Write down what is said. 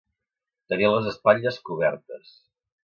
Tenir les espatlles cobertes.